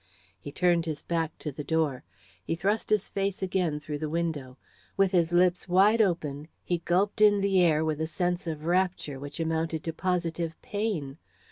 He turned his back to the door. He thrust his face again through the window. With his lips wide open he gulped in the air with a sense of rapture which amounted to positive pain.